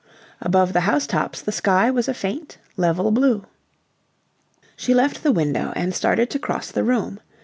Above the house tops the sky was a faint, level blue. She left the window and started to cross the room.